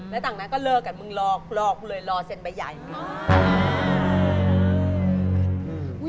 และต่างนั้นก็เลิกกันมึงรอรอรอเส้นไปใหญ่อย่างนี้